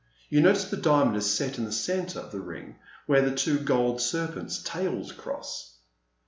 You notice the diamond is set in the centre of the ring where the two gold serpents' tails cross